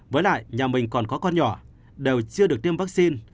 với lại nhà mình còn có con nhỏ đều chưa được tiêm vaccine